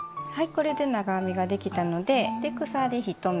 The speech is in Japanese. これで長編みができたので鎖１目。